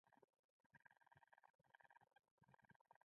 ستوري د شپې د اسمان سترګې دي.